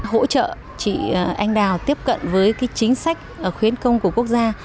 hỗ trợ chị anh đào tiếp cận với chính sách khuyến công của quốc gia